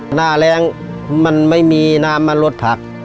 หน้าแรงมันไม่มีน้ำมันลดผัก